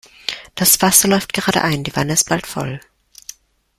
Das Wasser läuft gerade ein, die Wanne ist bald voll.